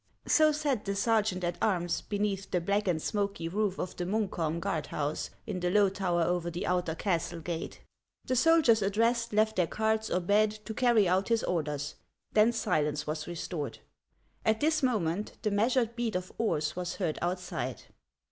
So said the sergeant at arms beneath the black and smoky roof of the Munkholm guard house, in the low tower over the outer castle gate. The soldiers addressed left their cards or bed to carry out his orders; then silence was restored. At this mo ment the measured beat of oars was heard outside.